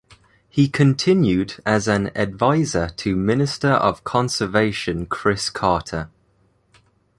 He continued as an adviser to Minister of Conservation Chris Carter.